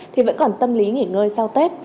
thì vẫn còn tâm lý nghỉ ngơi sau tết